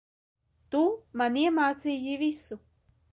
Tu, man iemācīji visu.